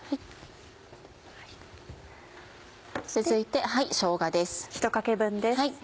続いてしょうがです。